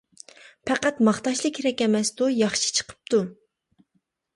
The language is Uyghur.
پەقەت ماختاشلا كېرەك ئەمەستۇ؟ ياخشى چىقىپتۇ.